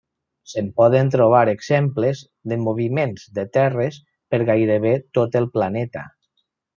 Se'n poden trobar exemples de moviments de terres per gairebé tot el planeta.